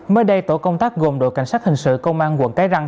mới đây tổ công tác gồm đội cảnh sát hình sự công an quận cái răng